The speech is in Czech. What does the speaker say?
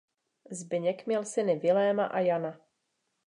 Zbyněk měl syny Viléma a Jana.